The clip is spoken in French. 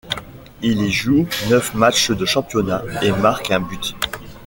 Il y joue neuf matchs de championnat, et marque un but.